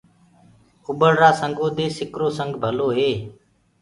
اُڀݪرآ سنگو دي سِڪرو سبگ ڀلو هي۔